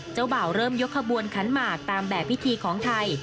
บ่าวเริ่มยกขบวนขันหมากตามแบบพิธีของไทย